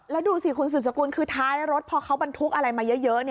แล้วดูสิคุณสุดสกุลคือท้ายรถพอเขาบรรทุกอะไรมาเยอะ